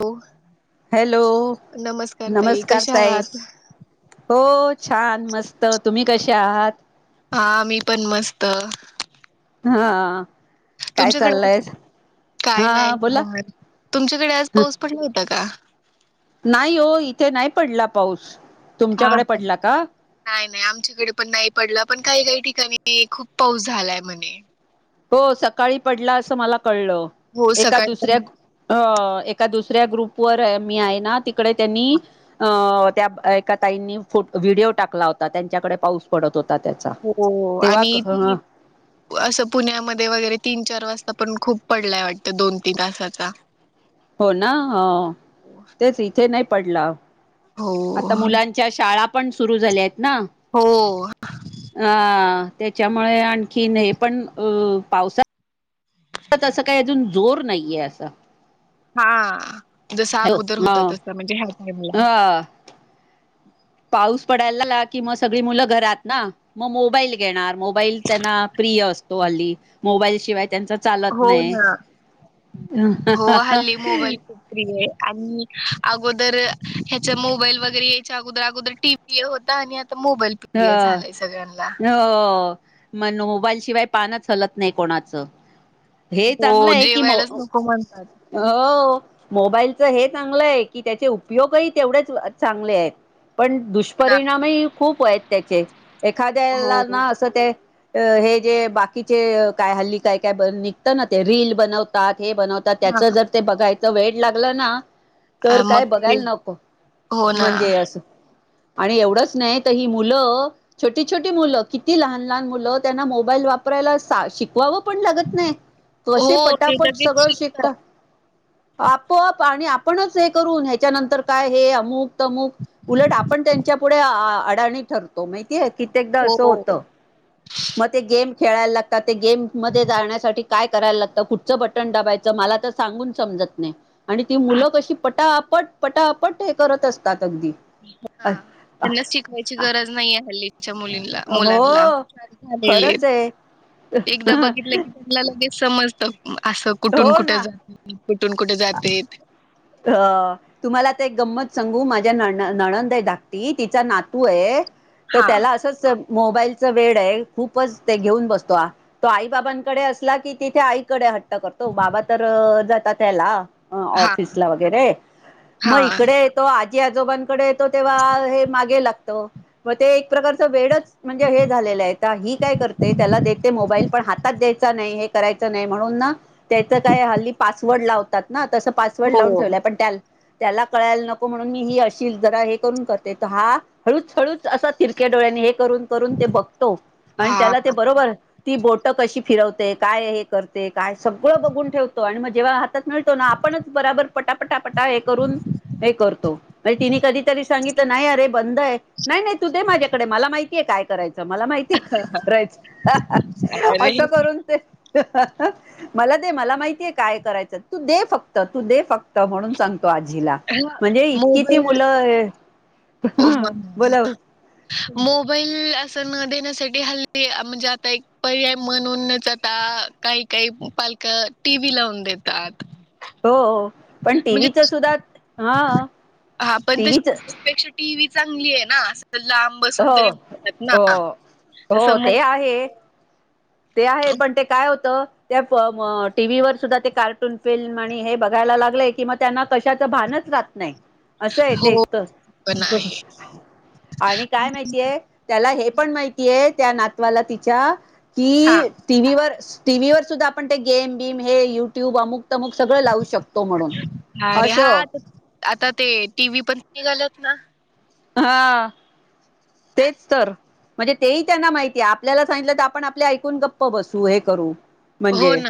हो. हॅलो नमस्कार ताई नमस्कार कशा ताई! आहात हो छान मस्त तुम्ही कसे आहात? हा मी पण मस्त. हा. काय तुमच्याकडे आज चाललय काय हा बोला नाही तुमच्याकडे आज पाऊस पडला होता का? नाही हो इथे नाही पडला पाऊस. हा तुमच्याकडे का? पडला नाही नाही आमच्याकडे पण नाही पडला पण काही काही ठिकाणी खूप पाऊस झालाय म्हणे. हो सकाळी पडला असं मला कळलं हो एका सकाळी पण दुसऱ्या अ एका दुसऱ्या ग्रुपवर मी आहे ना तिकडे त्यांनी अ त्या एका ताईंनी फुट व्हिडिओ टाकला होता त्यांच्याकडे पाऊस पडत होता त्याचा हो तेव्हा क आणि अ ती असं पुण्यामध्ये वगैरे तीन चार वाजता पण खूप पडलाय वाटतं दोन तीन तासाचा. हो ना हा तेच इथे नाही पडला हो आता मुलां च्या शाळा पण सुरू झाल्या आहेत ना हो अ त्याच्यामुळे आणखी हे पण अ पावसा तंस काय अजून जोर नाहीये असं हा जसं हो अगोदर होत तस म्हणजे ह्या टाइमला ह पाऊस पडायला लाला की मोबाईल त्यांना प्रिय असतो हल्ली मोबाईल शिवाय त्यांचा चालत हो नाही ना पि आणि अगोदर ह्याच मोबाईल वगैरे यायच्या अगोदर अगोदर टी हे होता आणि आता मोबाईल ह प्रिय झालाय सगळ्यांना. हो मण मोबाईल शिवाय पानच हलत नाही कोणाचं हे चांगलं हो आहे कि मो जेवायलाच नको म्हणतात हो मोबाईलच हे चांगलं आहे की त्याचे उपयोगही तेवढेच चांगले आहेत पण ना दुष्परिणामही खूप आहेत त्याचे एखाद्याला हो ना असं ते अ हे जे बाकीचे काय हल्ली काय काय निघत ना ते रील बनवतात हे बनवतात तर हा त्याच जर ते बघायचं वेळ लागलं ना आ, तर मग काय ते बघायला नको हो ना म्हणजे अस आणि एवढंच नाही तर ही मु मुलं छोटी छोटी मुलं किती लहान लहान मुलं त्यांना मोबाईल वापरायला शिकवावं. पण लागत नाही. कसे हो ते पटापट लगेच सगळं शिकता शिकतात आपोआप आणि आपणच हे करून ह्याच्यानंतर काय हे अमुक, तमुक उलट आपण त्यांच्या पुुढे आ आडाणी ठरतो माहितीय, कित्येकदा हो अस होत हो मग ते गेम खेळायला लाग ते गेम मध्ये जाण्यासाठी काय करायला लागतं कुठचं बटन दाबायचं मला तर सांगून समजत नाही काय आणि ती मुलं कशी पटापट पटापट हे करत असतात अगदी हा त्यांना शिकवायची गरज नाहीये हल्ली च्या मुलीला मुलांना हो हे खरंच एक आहे एकदा बघितलं की ला लगेच समजत असं कुठून हो कुठ ना जातेत, कुठून कुठे जातात अ तुम्हाला आता एक गंमत सांगू माझ्या न नणंद आहे धाक टी तिचा नातू आहे तर हा त्याला असंच मोबाईलचा वेड आहे खूपच ते घेऊन बसतो आ तो आई बाबांकडे असला की तिथे आईकडे हट्ट करतो, बाबा तर जातात याला अ हा ऑफिसला वगैरे म हा इकडे तो आजी आजोबांकडे तो तेव्हा हे मागे लागतो मग ते एक प्रकारच वेडच म्हणजे हे झालेलं आहे ही काय करते त्याला देते मोबाईल पण हातात द्यायचा नाही हे करायचं नाही म्हणून ना त्याचं काय हल्ली पासवर्ड लावतात ना तसं पासवर्ड हो लावून ठेवलंय पण त्याल त्याला कळायला नको म्हणून मी ही अशीच जरा हे करून करते तर हा हळूच हळूच असा तिरक्या डोळ्यांनी हे करून करून ते बघतो आणि हा त्याला ते बरोबर ती बोटं कशी फिरवते काय हे करते काय ती सगळं बघून ठेवतो आणि मग जेव्हा हातात मिळतो ना आपणच बराबर पटापटापटा हे करून हे करतो म्हणजे तिने कधीतरी सांगितलं नाही अरे बंद आहे नाही नाही तू दे माझ्याकडे मला माहित ती आहे काय करायचं मला माहितीय करायचं अरे असं करून ते [inaudible] मला दे मला माहितीय काय करायचं तू दे फक्त, तू दे फक्त म्हणून सांगतो आजीला म्हणजे इतकी ती मोबाईल मुलं अ हो बोला ना मोबाईल असं न देण्यासाठी हल्ली म्हणजे आता एक पर्याय म्हणूनच आता काही काही पालक टी व्ही लावून देतात. हो पण म्हणजे टीव्हीच सुद्धा हा हा पण त टीव्हीच पेक्षा टी व्ही चांगली आहे ना आस लांब बसून हो तरी बघतात ना हो तस हो ते मोबा आहे. ते आहे पण ते काय होत, त्या प म टी व्ही वर सुद्धा ते कार्टून फिल्म आणि हे बघायला लागले कि म त्यांना कशाचं भानच राहत नाही असं येत एक हो पण तर आहे आणि काय माहितीय त्याला हे पण माहितीय त्या नातवाला तिच्या हा कि टी व्ही वर, टी व्ही वर सुद्धा आपण ते गेम बीम हे युट्यूब अमुक तमुक मग सगळं लावू शकतो म्हणून अरे हा असं आता ते टी व्ही पण निघालेत ना हा तेच तर. म्हणजे तेही त्यांना माहितीये आपल्याला सांगितलं तर आपण आपल्या ऐकून गप्प बसू हे करू. हो म्हणजे ना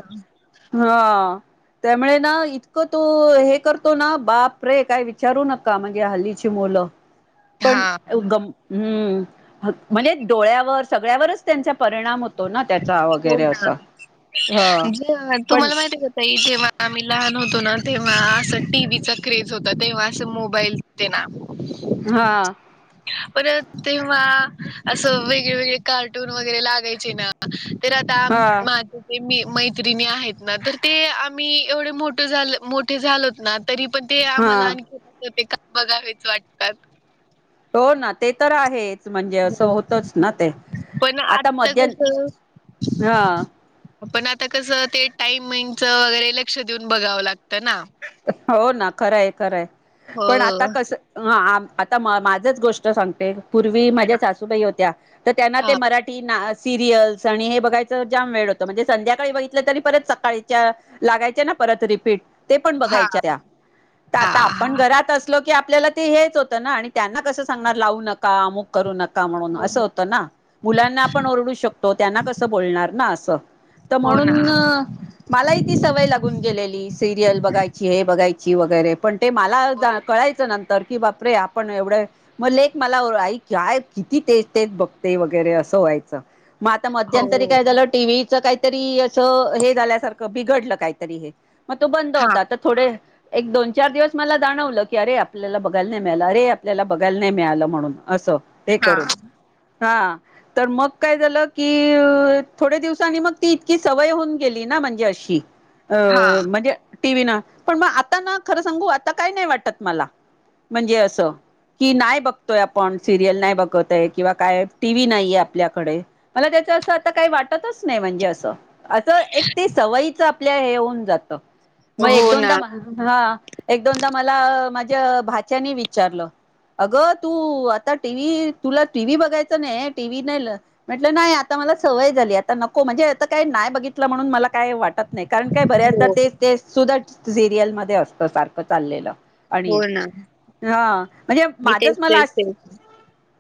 हा. त्यामुळे ना इतकं तो हे करतो ना बाप रे काय विचारू नका म्हणजे हल्लीची मुलं. पण हा गम हम्म म्हणे डोळ्यावर सगळ्यावरच त्यांचा परिणाम होत हो ना ह जे पण तुम्हाला माहीती ये का ताई जेव्हा आम्ही लहान होतो ना तेव्हा असं टी व्ही चा क्रेज होता तेव्हा अस मोबाईल [unintelligible] ते ना. हा. परत तेव्हा असं वेगळे वेगळे कार्टून वगैरे लागायचे ना तर आता म हा माझ ते मी मैत्रिणी आहेत ना तर ते आम्ही एवढे मोठे झाल मोठे झालोत ना तरी पण ते आम्हाला हा आणखी [unintelligible] का बघावेच वाटतात. हो नाते तर आहेत. म्हणजे असं हो. होतच ना ते पण आता मध्य कसं हा. पण आता कसं ते टाइमिंगच वगैरे लक्ष देऊन बघावं लागतं ना. हो ना खरंय खरंय हो. पण आता कस ह आ आता माझच गोष्ट सांगते पूर्वी माझ्या हा सासूबाई होत्या तर त्यांना ते हा मराठी सिरियल्स आणि हे बघायचं जाम वेळ होतं म्हणजे संध्याकाळी बघितलं तरी परत सकाळीच्या लागायचे ना परत रिपीट ते पण हा बघायच्या हा. त्या ते आता हा आपण घरात अस लो की आपल्याला ते हेच होत ना आणि त्यांना कसं सांगणार लावू नक का अमुक करू नका म्हणून असं होतं ना. मुलांना आपण ओरडू शकतो त्यांना कसं बोलणार ना असं तर हो ना. म्हणून मलाही ती सवय लागून गेलेली सिरियल बघायची हे बघायची वगैरे पण ते मला जा कळायचं नंतर की बापरे आपण एवढं मग लेक मला आई काय किती तेच तेच बघते वगैरे असं व्हायचं. मग आता हो मध्यंतरी काय झालं टी व्ही च काई तरी असं हे झाल्यासारखं बिघडलं काहीतरी हे मग तो बंद हा होता तर थोडे एक दोन चार दिवस मला जाणवलं की अरे आपल्याला बघायला नाही मिळालं अरे आपल्याला बघायला नाही मिळालं म्हणून असं. हे हा करून हा. तर मग काय झालं की थोडया दिवसांनी मग ती इतकी सवय होऊन गेली ना म्हणजे अशी अ हा. म्हणजे टी व्ही ना पण मग आता ना खरं सांगू आता काय नाही वाटत मला. म्हणजे असं. कि नाही बघतोय आपण सिरियल नाही बघत आहे किंवा काय टी व्ही नाहीये आपल्याकडे मला त्याचं असं आता काही वाट तच नाही म्हणजे असं असं एक ती सवयीच आपल्या हे होऊन जात. मग हो एक ना दोनदा म हा एक दोनदा मला माझ्या भाच्यानी विचारलं अगं तू आता टी व्ही तुला टी व्ही बघायचं नाही ये टी व्ही नेल म्हटलं नाही आता मला सवय झाली आता नको म्हणजे आता काय नाही बघितलं म्हणून मला काय वाटत नाही कारण काय हो बऱ्याचदा तेच ते सुद्धा सिरियल मध्ये असत सारखं चाललेलं. आणि हो ना हा म्हणजे मी तेच माझंच मला तेच आठ तेच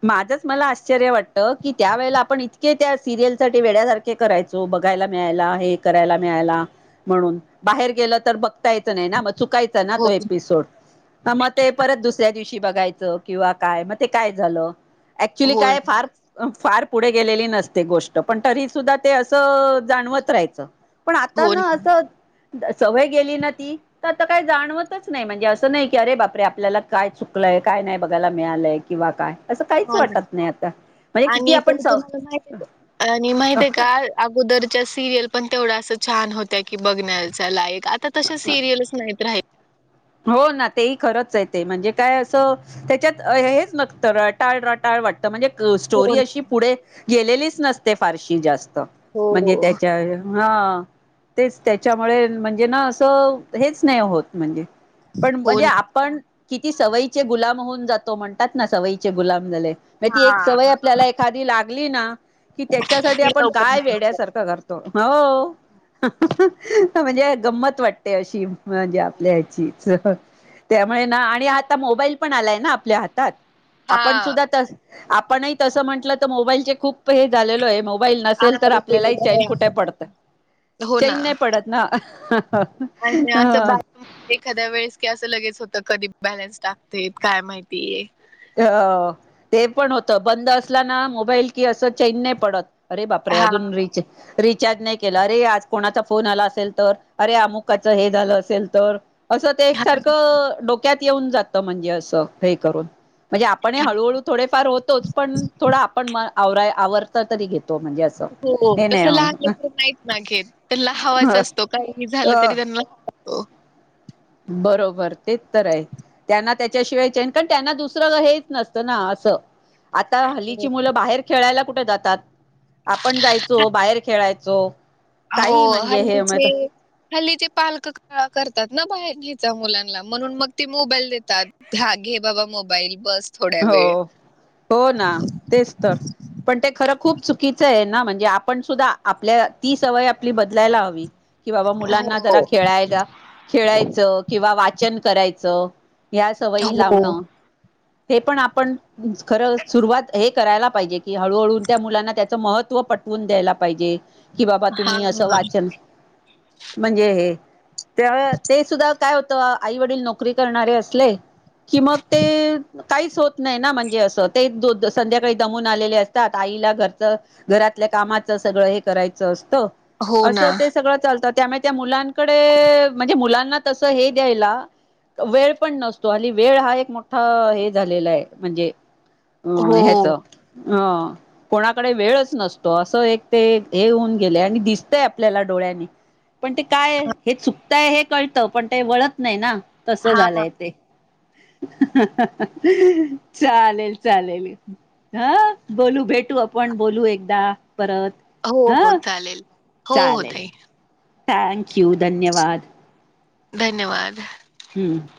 माझंच मला आश्चर्य वाटतं की त्यावेेळेला आपण इतके त्या सिरियल साठी वेड्यासार खे करायचो बघायला मिळायला हे करायला मिळायला म्हणुन बाहेर गेलं तर बघता येत नाही ना चुकायचा ना हो तो एपिसोड त म ते परत दुस सऱ्या दिवशी बघायचं किंवा काय मग ते काय झालं ऍक्च्युली हो काय फार हो फार पुढे गेलेली नसते गोष्ट पण तरी सुद्धा ते असं जाणवत राहायचं. पण आता ना असं सवय गेली ना ती. आता काही जाणवतच नाही म्हणजे असं नाही की अरे बापरे आपल्याला काय चुकलंय काय नाही बघायला मिळालंय. किंवा काय. असं काहीच हो ना वाटत नाही आता म्हणजे किती आणि आपण तरि स तुम्हाला माहित आहे का आणि माहित आहे का. अगोदरच्या सिरियल पण तेवढा असं छान होत्या की बघण्याचा लाईक आता तसे सिरियल्स नाहीत राही [unintelligible] हो ना तेही खरंच आहे ते म्हणजे काय असं [unintelligible] त्याच्यात हेच नक्तं र टाळ रटाळ वाटत म्हणजे हो स्टोरी ना अशी पुढे गेलेलीच नस फारशी जास्त हो म्हणजे त्याच्या हा तेच त्याच्यामुळे म्हणजे ना असं हेच नाही होत म्हणजे पण हो म्हणजे ना आपण किती सवयीचे गुलाम होऊन जातो म्हणतात ना सवयीचे गुलाम झाले ती एक हा सवय आपल्याला एखादी लागली ना कि त्याच्यासाठी ती आपण लवकर काय नाही निघत. वेड्यासारखं करतो हो म्हणजे गंमत वाटते अशी [unintelligible] म्हणजे आपल्या ह्याचीच त्यामुळे ना आणि आता मोबाईल ण आलाय ना आपल्या हातात हा आपण सुद्धात आपणही तस म्हंटलं तर मोबाईलचे खूप हे झालेलो आहे मोबाईल नसेल तर आहारी आपल्यालाही गेलेलो चैन आहे कुठे आपण. पडतं हो चैन ना. नाही पडत ना आणि असं हा बा एखाद्या वेळेस की असं लगेच होतं कधी बॅलन्स टाकते काय माहितीय अ ते पण होत बंद असला ना मोबाईल कि असं चैन नाही पडत [unintelligible] अरे बापरे हा अजून र [inaudible] रिचार्ज नाही केलं अरे आज कोणाचा फोन आला असेल तर रे अमुकाच हे झालं असेल तर असं ते हा एकसारखं डोक्यात येऊन जातं म्हणजे असं हे करून म्हणजे आपण हळूहळू थोडेफार होतोच पण थोडा आपण म आवराय आवर [unintelligible] हो त लहान नाही लकर मात ना घे तर ल हवाच असतो काही झालं हो तरी त्यांना तो [unintelligible] बरोबर तेच तर आहे [unintelligible] त्यांना त्याच्याशिवाय न कारण त्यांना दुसरं हेच नसतं ना असं आता हो हल्लीची मुलं बाहेर खेळायला कुठे जातात आपण जायचो बाहेर खेळायचो [unintelligible] काही होय म्हणजे हे मत हल्लीचे हल्ली जे पालक करतात ना बाहेर घ्यायचा मुलांना म्हणून मग ते मोबाईल देतात हागे बाबा मोबाईल बस थोड्या हो वेळ हो ना तेच तर [unintelligible] पण ते खरं खूप चुकीचं आहे ना म्हणजे आपण सुद्धा आपल्या ती सवय आपली बदलायला हवी कि बाबा मुलांना जरा हो खेळायला खेळायचं किंवा वाचन करायचं या सवयी हो लावणं हे पण आपण खरं सुरुवात हे करायला पाहिजे कि हळूहळू त्या मुलांना त्याच महत्त्व पटवून द्यायला पाहिजे [unintelligible] कि बाबा हा तुम्ही असं वाचन म्हणजे हे ते ते सुद्धा काय होतं आई वडील नोकरी करणारे असले कि मग ते काहीच होत नाही ना म्हणजे असं ते दो संध्याकाळी दमून आलेले असतात आईला घरचं घरातल्या कामाचं सगळं हे करायचं असतं हो ना असं ते सगळं चालतं त्यामुळे त्या मुलांकडे म्हणजे मुलांना तस हे द्यायला वेळ पण नसतो आणिली वेळ हा एक मोठा हे [unintelligible] झालेलं आहे म्हणजे अ हो ह्याच अ कोणाकडे वेळच नसतो असं एक ते हे होऊन गेले आणि दिसतय आपल्याला डोळ्यानी [inaudible] पण ते काय हे चुकतंय हे कळतं पण ते वळत नाही ना तसं हा झालंय ते च लेल चालेल हा बोलू भेट भू आपण बोलू एकदा परत [unintelligible] हो हो चालेल हो हो तई [unintelligible] [unintelligible] थँक्यू धन्यवाद धन्यवाद हम्म [unintelligible]